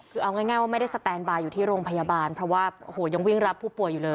คือเอาง่ายว่าไม่ได้สแตนบาร์อยู่ที่โรงพยาบาลเพราะว่าโอ้โหยังวิ่งรับผู้ป่วยอยู่เลย